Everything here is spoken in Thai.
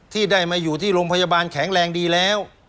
ที่ได้มาอยู่ที่โรงพยาบาลแข็งแรงดีแล้ว